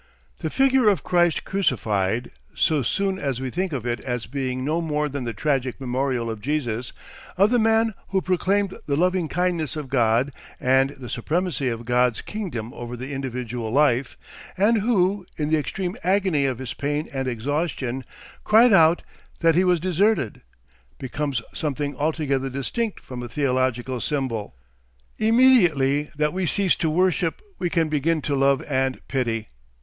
The figure of Christ crucified, so soon as we think of it as being no more than the tragic memorial of Jesus, of the man who proclaimed the loving kindness of God and the supremacy of God's kingdom over the individual life, and who, in the extreme agony of his pain and exhaustion, cried out that he was deserted, becomes something altogether distinct from a theological symbol. Immediately that we cease to worship, we can begin to love and pity.